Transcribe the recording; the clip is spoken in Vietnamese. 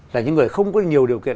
là những người không có nhiều điều kiện